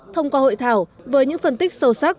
thông qua hội thảo với những phân tích sâu sắc